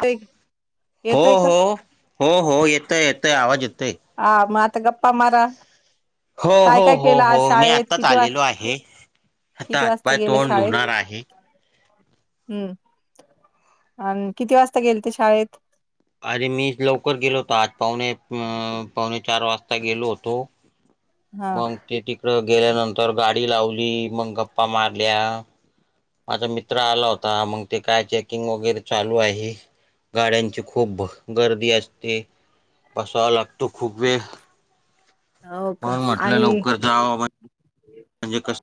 ते.... हो हो.... हो हो येतोय येतोय आवाज येतोय हा मग आता गप्पा मारा हो काय हो काय हो केलं हो आज मी शाळेत आत्ताच किती वाज आलेलो आहे.... आता किती वाजता हातपाय गेले तोंड शाळेत धुणार आहे...... हम्म आणि किती वाजता गेल ते शाळेत.... अरे मी लवकर गेलो होतो आज पावणे पावणे चार वाजता गेलो होतो..... हा मग ते टी ट्रॅक गेल्यानंतर गाडी लावली मग गप्पा मारल्या माझा मि त्र आला होता मग ते काय चेकिंग वगैरे चालू आहे गाड्यांची खूप भ गर्दी आसते बसावा लागतो खूप वेळ. हो का म्हणून म्हटलं आणि लवकर जावं म्हणजे कस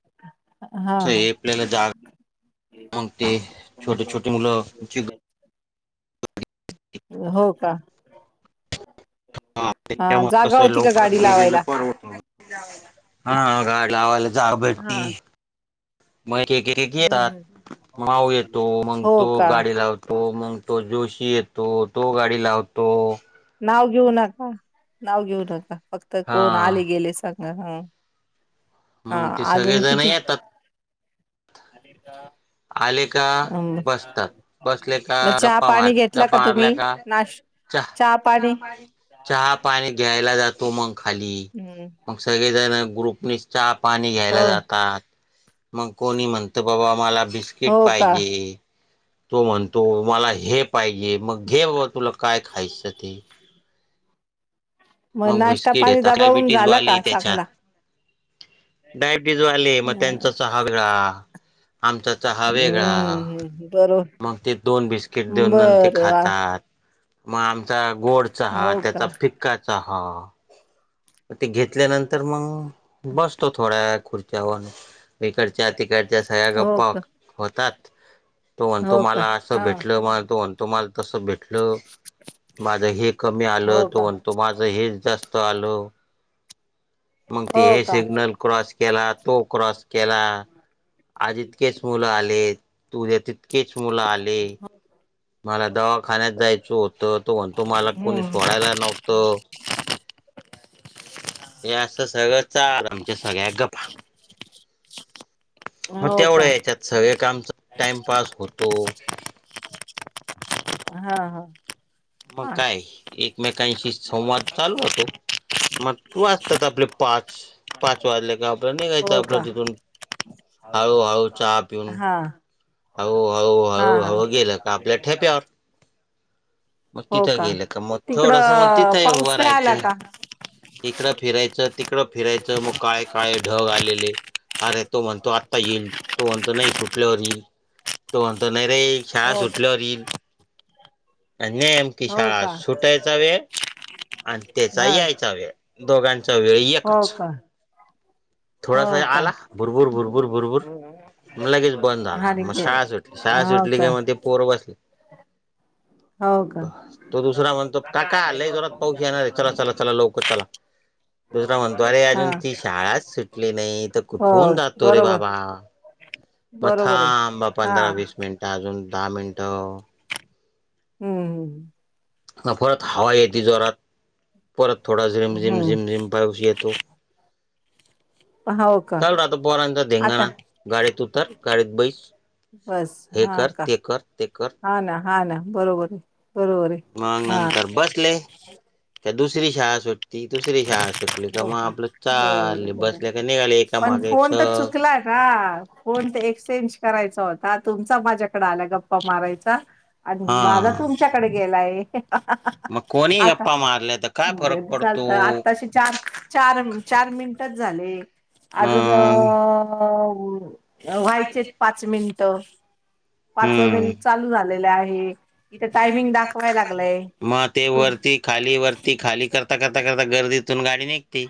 हा हा हे आपल्याला जा मगं ते छोटी छोटी मूल आमची [unintelligible] हो का. हा तेच्यामुळ जागा कसं होती का लवकर गाडी गेलेलं लावायला परवडत. हा गाडी लावायला जा हा भेटती. मग एक एक एक हम्म हम्म येतात माऊ येतो मग हो तो का गाडी लाव तो मग तो जोशी येतो तो गाडी लावतो नाव घेऊ नका नाव घेऊ नका फक्त हा कोण आले गेले सांगा हं. हा मग ते आजून सगळेजण किती येतात आले का मग बसतात बसले का चहा गप्पा पाणी मारतात घेतला गप्पा मारल्या तुम्ही का नाश चा चहा पाणी चहा पाणी घ्यायला जातो मग खाली हम्म मग सगळेजण ग्रुपनीच चहा पाणी घ्यायला हो जातात मग कोणी म्हणत बाबा मला बिस्किट हो का पाहिजे. तो म्हणतो मला हे पाहिजे मग घे बाबा तुला काय खायचं ते. मग नाश्ता बिस्किट पाणी येतात दबावून डायबिटीस झाला का वालेही चांगला तेच्यात डायबिटीजवाले म त्यांचा चहा वेगळा आमचा चहा वेगळा हम्म बरो मग ते दोन बिस्किट देऊन न ते बर खातात म आमचा गोड चहा हो का त्याचा फिक चहा ते घेतल्यानंतर मग बसतो थोड्या खुर्च्या [unintelligible] इकडच्या तिकडच्या सगळ्या हो गप्पा का होतात तो म्हणतो हो का मला आसं हा भेटल मग तो म्हणतो तुम्हाला तसं भेटल माझं हे कमी आलं हो तो का म्हणतो माझं हेच जास्त आलं. मग ते हे हो का सिग्नल क्रॉस केला तो क्रॉस केला आज इतकेच मुलं आले उद्या तितकेच मुलं आले मला दवाखान्यात जायचं होतं तो म्हणतो मला कोणी हम्म सोडायला नव्ह त हे आसं सगळं चाल आमच्या सगळ्या गप्पा म हो तेवढ्या का हेच्यात सगळे कामच टाइमपास होतो हा हा. मग काय एकमेकांशी संवाद चालू राहतो. मग वाजतात आपले पाच पाच वाजले का आपल निघायचं हो का आपलं तिथून हाळू हाळू चहा पिऊन हा हळू, हळू, हा हळू, हळू, गेलं का आपल्या हा ठेप्यावर मग तिथं गेलं का मग थोडस मग तिकडं तिथं ही उभं पाऊस नाही आला राहायचं. का इकडं फिरायचं तिकडं फिरायचं म काळे काळे ढग आलेले आरे तो म्हणतो आत्ता येईल तो म्हणतो नाही सुटल्यावर येईल तो म्हणतो नाही रे शाळा हो सुटल्यावर येईल. आणि नेमकी हो शाळा का सुटायचा वेळ आण तेचा हा यायचा वेळ दोघांचा वेळ हो एकच. का हो थोडासा का आला भूरभुर, भुरभूर, भुरभुर म लगेच बंद झाला म हानिके शाळा सुटली शाळा हो सुटली कि का मग ते पोर बसले. हो का [inaudible] तो दुसरा म्हणतो काका लय जोरात पाऊस येणार आहे चला चला चला लवकर चला. दुसरा म्हणतो रे हा अजून ती शाळाच सुटली नाही तर हो कुठून जातो रे बरोबर बाबा. मग बरोबर आहे थांबा हा पंधरा वीस मिनिटं अजून दहा मिनटं. हम्म हम् नफरत हवा येती जोरात. परत थोडा रीम झिम रिम हम्म झिम पाऊस येतो. हो का चाल राता पोरांचा धिंगाणा आता गाडीत उतर गाडीत बैस. बस हे हा कर का ते कर ते कर. हा ना हा ना बरोबर आहे बरोबर आहे. मग हा नंतर बसले. का दुसरी शाळा सुटली दुसरी शाळा सुटली का हो मग आपलं बर चालले बर बसल्या का निघाले एक. पण मागे फोन तर सग चुकला का. कोण तर एक्सचेंज करायचा होता तुमचा माझ्याकडे आला गप्पा मारायचा. आणि हा माझा तुमच्याकडे गेलाय मग कोणी [unintelligible] आता. गप्पा मारल्या तर काय फरक पडतो चालत आताशी चार चार चार मिनिटच झाले. अजून मग अ व्हायचेत पाच मिनिट. पाचव हम्म मिनिट चालू झालेले आहे इथे टायमिंग दाखवाय लागलाय. मग ते वरती खाली वरती खाली करता करता करता गर्दीतून गाडी निघती.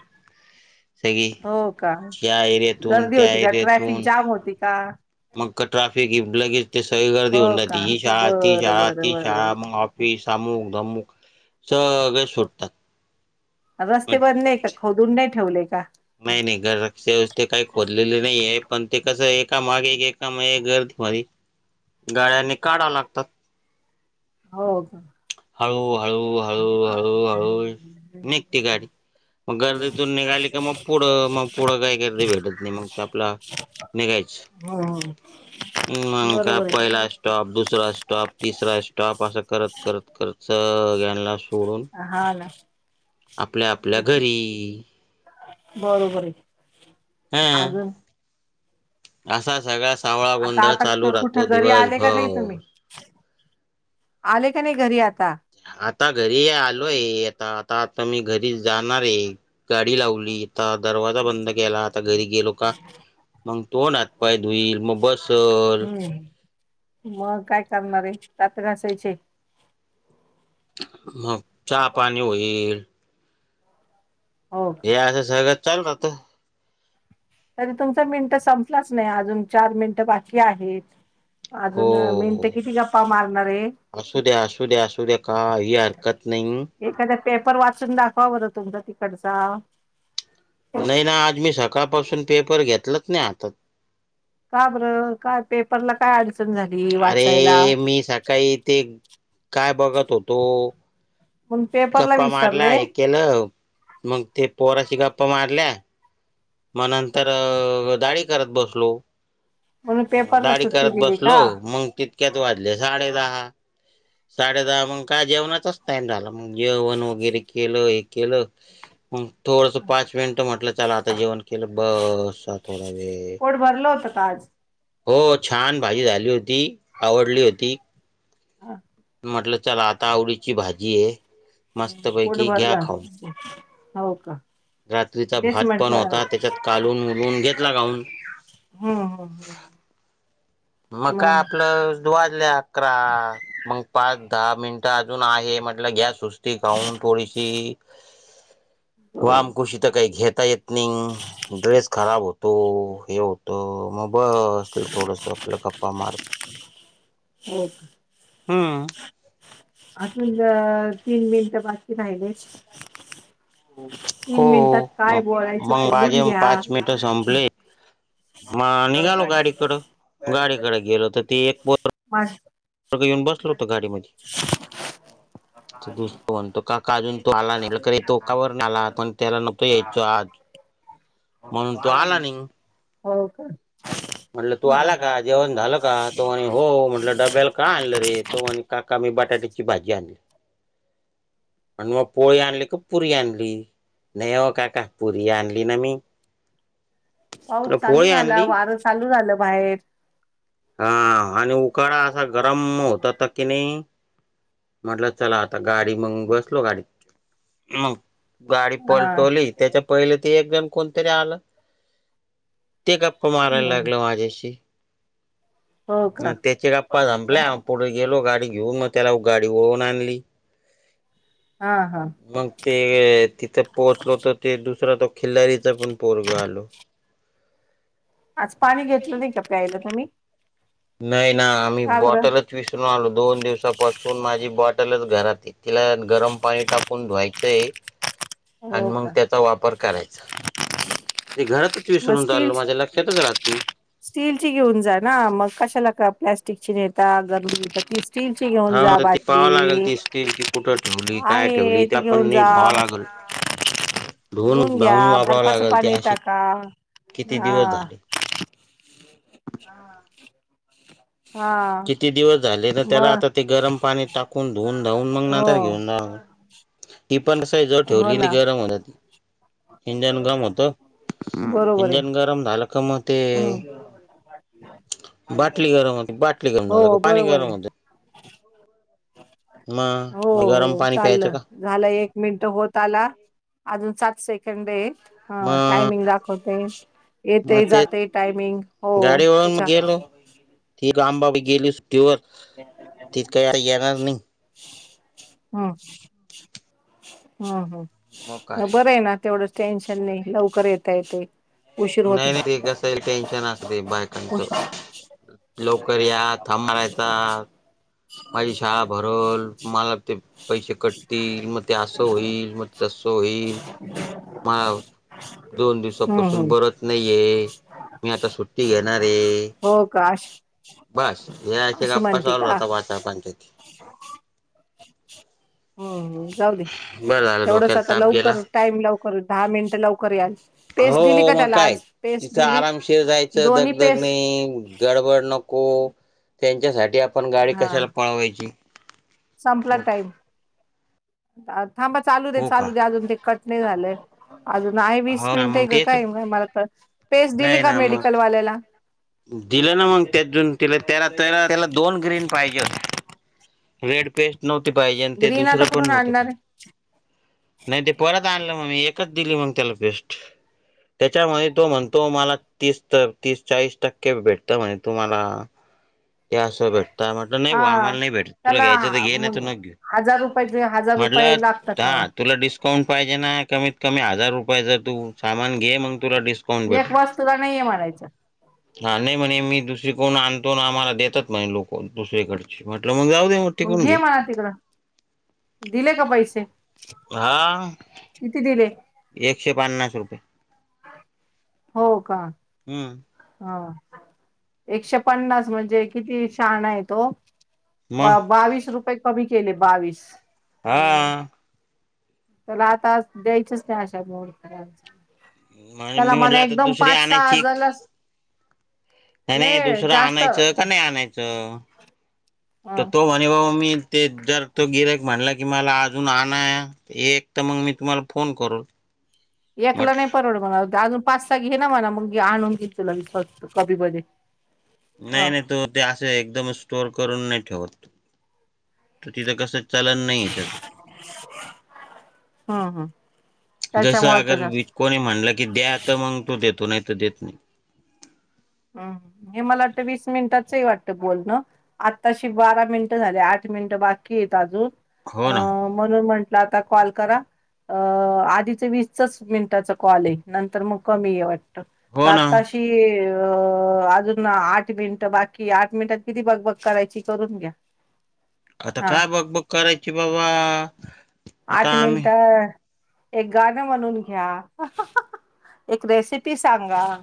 हे घे हो का या एरियातून गर्दी त्या होती का ट्रॅफिक एरियातून. जाम होती का मग ट्राफिक ह लगेच ते सगळी गर्दी होऊ हो जाते का ही शाळा ती बरं शाळा बरं ती बरं शाळा मग. सामुक दममुक सगळे सुट रस्ते बनलेय का खोदून नाही ठेवलेय का. नाही नाही घररक्ष व्यवस्थ ते काही खोोललेली नाही आहे पण ते कसं एका मागे एक एका गर्दी माझ. गाळ्यानी काढा लागतात हो. [inaudible] हळू हळू हळू हळू हळू निघते गाडी [unintelligible] मग गर्दीतून निघाली की मग पुढं मग पुढं काही गर्दी भेटत नाही मग ते आपला हो हो मण का बरोबर पहिला आहे स्टॉप दुसरा स्टॉप तिसरा स्टॉप. ट्टॉप असं करत करत करत सळ्यांना सोडून हा ना. आपल्या आपल्या घरी. बरोबर आहे हा अजून असा सगळा सावळा आता गोंधळ चालू आता राहतो कुठं घरी आले का नाही दिवसभर. तुम्ही आले का नाही घरी आत. आता घरी आलोय आता आता आता मी घरी जाणार आहे गाडी लावली आता दरवाजा बंद केला आता घरी गेलो का. मग तोंड, हात, पाय धुईल मग बसल. हम्म मग काय करणारे दात घासायचे. ह चहा पाणी होईल. ओके. हे असं सगळं चालू राहत तरी तुमचा मिनिट संपलाच नाही अजून चार मिनट बाकी आहेत. अजून मिनट हो किती गप्पा मारणार आहे. असू द्या, असू द्या, असू द्या का ही हरकत नाही. एखाद्या पेपर वाचून दाखवा बरं तुमचा तिकडचा. नाही ना आज मी सकाळपासून पेपर घेतलाच नाही हातात. का बरं, काय पेपरला काय अडचण झाली? वाचायला अरे मी सकाळी इथे काय बघत होतो. मण पेपरला गप्पा मारल्या विसरले हे केलं. मग ते पोराची गप्पा मारल्या. मग नंतर दाडी करत बसलो. म्हणून पेपरला दाढी सुट्टी करत दिली बसलो का? मंग तितक्यात वाजले साडे दहा. साडे दहा मग का जेवणाचाच टाईम झाला मग जेवण वगैरे केलं हे केलं. म थोडसं पाच मिनिटं म्हटलं चला जेवण केलं बसा थोडा वेळ. पोट भरलं होतं का आज? हो छान भाजी झाली होती आवडली होती. म्हटलं चला आता आवडीची भाजी आहे. मस्तपैकी घ्या फुटबॉलला, खाऊन हो का. रात्रीचा तेच भात पण म्हटलं होता त्याच्यात कालून उलून घेतला खाऊन हम्, हम, हम. मगं काय आपलं वाजले अकरा. मगं पाच, दहा मिनटं अजून आहे म्हटलं घ्या सुस्ती खाऊन थोडीशी. वामकुशी तर काही घेता येत येत नाही. ड्रेस खराब होतो हे होतं मग बसलं थोडस. गप्पा मारत. हो हम्म. अजून तीन मिनटं बाकी राहिलेत. हो तीन मिनिटात काय मग बोलायचं मग बोलून माझे घ्या. मगं निघालो गाडीकडं. गाडीकडें गेलो तर ते एक पोर रग येऊन बसल होत गाडीमध्ये. [inaudible] [inaudible] तो काका अजून तो आला नाही तो कावर आलाण त्याला नकतो यायचो आज. म्हणून तो आला नाही हो का. म्हटलं तू आला का जेवण झालं का. तो म्हणे हो म्हटलं. डब्याला का आणलं रे? तो म्हणे. काका, मी बटाट्याची भाजी आणली. आणि मग पोळी आणली, की पुरी आणली? नाही हो काका पुरी आणली ना मी. पाऊस तर चालू पोळी झाला, आणली वारं चालू झालं बाहेर. हा आणि उकाडा असा गरम होतात की नाही. म्हटलं चला आता गाडी मग बसलो गाडीत. मग गाडी हा पलटवली त्याच्या पहिले ते एक जण कोणतरी आलं. ते गप्पा मारायला लागलं माझ्याशी. हो का त्याचे गप्पा संपल्या. पुढे गेलो गाडी घेऊन मग त्याला गाडी वळळून आणली. हा हा. मगं ते तिथं पोहोचलो तर ते दुसरा तो खिल्लारीचा पण पोरग आलं. आज पाणी घेतलं नाही का प्यायला तुम्ही? अ नाही ना,, आम्ही का बरं बॉटलच विसरून आलो,, दोन दिवसापासून माझी बॉटलच घरातीलऽ तिला गरम पाणी टाकून धुवायचंयऽ आणि हो मग का त्याचा वापर करायचा,, ते घरातच विसरून चालल माझ्या लऽऽ ते, स्टील ची घेऊन जा ना,, मग कशाला प्लॅस्टिकची नेता,, गर्दीता तीऽ हा ते पाहावं लागल,,, दिसतील की कुठं ठेवली, काय ठेवली, आहे ते ती पण घेऊन जा नीट ह्हाव लागेलऽऽ ढोल धुवून घ्या धवून वापराव बर्फाचं लागल, ते पाणी अशे टाका किती दिवस हा झालेऽऽ हा, किती दिवस झाले ना, त्याला मग आता ते गरम पाणी टाकून धुवून धावून मग हो नंतर घेऊन जाऽ ती पण असय, जो हो ठेवली त ना गरम होत तीऽ इंजन गरम होत,, बरोबर आहे इंजन गरम झालंऽ का म ते, हम्म बाटली गरम होती, बाटली गरम हो झाला का पाणी बरोबर गरम आहे होत. मग, हो मग गरम हो पाणी प्यायचं चाललं का? झालं एक मिनटं होत आला,, अजून सात सेकंड एऽ हां, मग टायमिंग दाखवतय,, मग येतय ते जातय टायमिंग,, होऽ गाडीवरून गेलो त्याच्याऽ ती आमबाबाी गेली सुट्टीवर,,, ति काही येणार नाही. हम्, हम्, मग हम्, काय बरं आहे ना? तेवढच टेन्शन नाही, लवकर येत य ऽ नाही, नाही ते कसं टेन्शन असतय बायकांचं,, उश लवकर या थांबयचऽऽ हां, माझी शाळा भरल ऽमला ते पैसे कटतील, मग ते असं होईल, मगऽऽ जसो एईल माव, दोन हम्म दिवसापासून हम्म बरच नाहीये. मी आता सुट्टी घेणारे,, हो का अशी बस, याऽ अशी गप्पा म्हणते का सॉलता वाचा पणचायती. हम्म,,, जाऊ दे बरं झालं तेवढंच डोक्याला आता ताप गेला लवकरऽ टाईम लवकर,, दहा मिनिटं लवकर यालऽ हो,, मग काय? तिथं आरामशीिर जायचं दोन्ही दग दग पेस्ट नाहीऽ गडबड नको,, त्यांच्यासाठी आपण गाडी हा कशाला पळवायची. संपला टाईम. थांबा चालू दे, हो का चालू दे अजून ते कट नाही झालंय. अजून आहे वीस हो ना मिनिट आहे मग ग, की तेच काय मला पेस दिली नाही का ना मग मेडिकल वाल्यालाऽ दिलं ना मग त्यात जून तिला त्याला त्याला त्याला दोन ग्रीन पाहिजे होत्या. रेड पेस्ट नव्हती पाहिजे, आणि ते दुसरंऽ ून आणणार. नाही ते परत आणलं मग मी,, एकच दिली मग त्याला पेस्ट. त्याच्यामध्ये तो म्हणतो मला तीस, तीस चाळीस टक्के भेटत म्हणे तु मला. भावा हा,, आम्हाला नाही भेटत तुला त्याला घ्यायचं तर घे नाही तर नको घेऊ. हजार रुपय, हजार रुपये म्हटलं लागऽऽ तकवा. हा तुला डिस्काउंट पाहिजे ना,, कमीत कमी हजार रुपये जर तूऽऽ सामान घे, मग तुला डिस्काउंट एक भेटल. वस्तूला नाहीये म्हणायचं हा, नाही म्हणे मी दुसरी कडुन आणतो ना आम्हाला देतात म्हणे लोक दुसरेकडऽ मग घे म्हणा तिकडं. दिले का पैसे,, हा किती दिले? एकशे पन्नास रुपये. हो का? हम्म, हा,, एकशे पन्नास म्हणजे किती शाहाणा आहे तो. मग बा बावीस रुपये कमी केले, बावीस. हा तरला आता द्यायचच नाही अशा मुर्त म्हण त्याला मी म्हटलं मला आता एकदम दुसरी पाच सहा आणायची हजार नाही नाही दुसरं आणायचं का नाही आणायचं तर हं. तो म्हणे बाबा मी ते जर तो गिरयक म्हणला की मला अजून आणय एक तर मग मी तुम्हाला फोन करून एकला नाही परवड मणा अजून पाचचा घे ना म्हणा मग आणून घेतुला कबी बध्ये नाही नाही तो ते असं एकदम स्टोर करून नाही ठेवत त तिथं कस चलन नाही त्याचं हम्म हम्म जसं त्याच्यामुळे तर अगर जास्त बीज कोणी म्हणलं की द्या तर मग तू देतो नाही तर देत नाही हम् हे मला वाटतं वीस मिनिटाचंही वाटत बोलणं आत्ताशी बारा मिनिटं झाली आठ मिनिटं बाकी आहेतेत अजून अ हो ना म्हणून म्हटलं आता कॉल करा अ आधीच वीसचाच मिनिटाचा कॉल आहे नंतर मग कमी आहे वाट त हो ना आताशी, अ अजून आठ मिनिट बाकीये. आठ मिनिटात किती बक बक करायची करून घ्या. ह हा, आठ आता मिनट आम्ही एक गाणं म्हणून घ्या. एक रेसिपी सांगा.